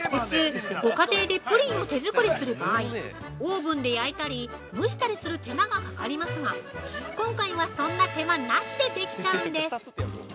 普通ご家庭でプリンを手作りする場合、オーブンで焼いたり蒸したりする手間がかかりますが、今回は、そんな手間なしでできちゃうんです。